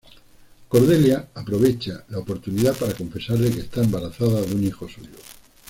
Cordelia aprovecha la oportunidad para confesarle que está embarazada de un hijo suyo.